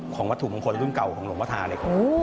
วัตถุมงคลรุ่นเก่าของหลวงพ่อธาเนี่ย